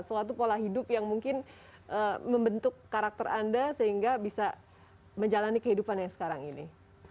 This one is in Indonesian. suatu pola hidup yang mungkin membentuk karakter anda sehingga bisa menjalani kehidupan yang sekarang ini